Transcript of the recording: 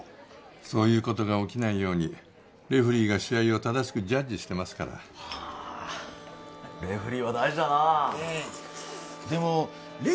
そういうことが起きないようにレフリーが試合を正しくジャッジしてますから・レフリーは大事だなねえ